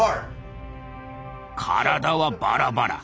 体はバラバラ。